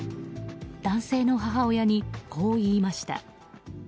男性の母親にこう言いました。